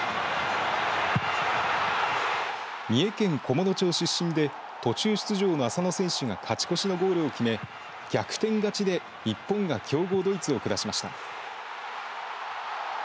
三重県菰野町出身で途中出場の浅野選手が勝ち越しのゴールを決め逆転勝ちで日本が強豪ドイツを下しました。